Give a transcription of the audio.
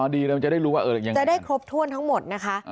ดีเลยมันจะได้รู้ว่าจะได้ครบถ้วนทั้งหมดนะคะ